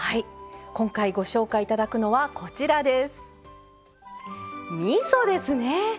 今回、ご紹介いただくのはみそですね。